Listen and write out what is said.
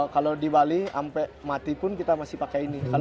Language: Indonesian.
kalau di bali sampai mati pun kita masih pakai ini